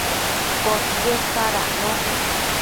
podquied sadacno